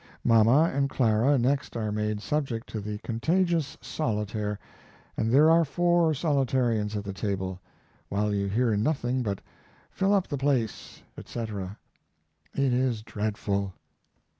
Mama and Clara next are made subject to the contagious solotaire, and there are four solotarireans at the table, while you hear nothing but "Fill up the place," etc. It is dreadful!